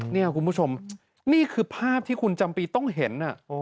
นี่คุณผู้ชมนี่คือภาพที่คุณจำปีต้องเห็น